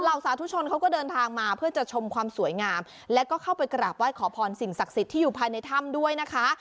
สาธุชนเขาก็เดินทางมาเพื่อจะชมความสวยงามแล้วก็เข้าไปกราบไหว้ขอพรสิ่งศักดิ์สิทธิ์ที่อยู่ภายในถ้ำด้วยนะคะ